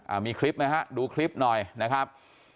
มีคลิปไหมฮะดูคลิปหน่อยนะครับ